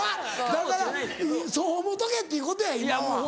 だからそう思うとけっていうことや今は。